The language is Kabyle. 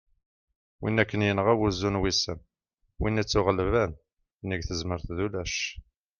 win akken yenɣa "wuzzu n wissen", win ittuɣellben : nnig tezmert d ulac